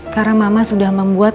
karena mama sudah membuat